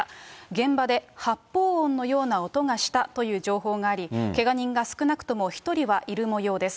現場で発砲音のような音がしたという情報があり、けが人が少なくとも１人はいるもようです。